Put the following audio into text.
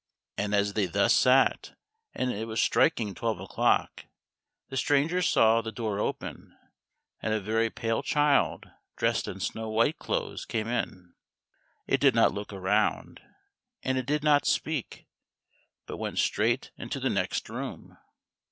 And as they thus sat, and it was striking twelve o'clock, the stranger saw the door open, and a very pale child dressed in snow white clothes came in. It did not look around, and it did not speak; but went straight into the next room.